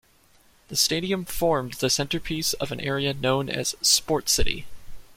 The stadium formed the centrepiece of an area known as "Sportcity".